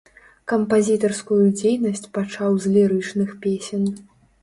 Кампазітарскую дзейнасць пачаў з лірычных песен.